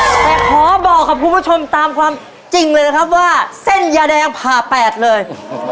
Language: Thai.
แต่ขอบอกกับคุณผู้ชมตามความจริงเลยนะครับว่าเส้นยาแดงผ่าแปดเลย